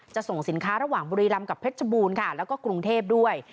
ส่งสินค้าระหว่างบุรีรำกับเพชรบูรณ์ค่ะแล้วก็กรุงเทพด้วย